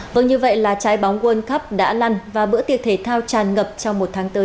vâng như vậy là trái bóng world cup đã lăn và bữa tiệc thể thao tràn ngập trong một tháng tới